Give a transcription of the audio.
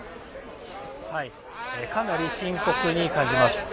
かなり深刻に感じます。